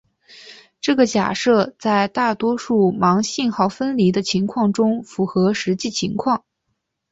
这个假设在大多数盲信号分离的情况中符合实际情况。